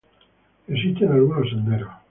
Existen algunos senderos.